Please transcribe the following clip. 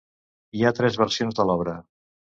Hi ha tres versions de l'obra.